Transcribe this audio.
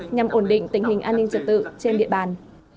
nhằm ổn định tình hình an ninh trật tự trên địa bàn